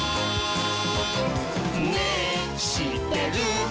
「ねぇしってる？」